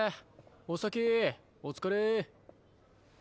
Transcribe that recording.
お先お疲れ！